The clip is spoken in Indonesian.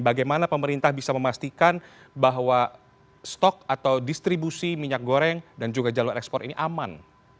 bagaimana pemerintah bisa memastikan bahwa stok atau distribusi minyak goreng dan juga jalur ekspor ini aman